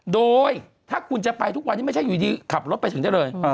โดยถ้าคุณจะไปทุกวันนี้ไม่ใช่อยู่ดีขับรถไปถึงได้เลย